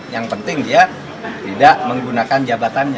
yang penting dia tidak menggunakan jabatannya